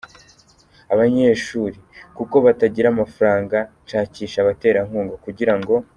abanyeshuri, kuko batagira amafaranga nshakisha abaterankunga kugira ngo.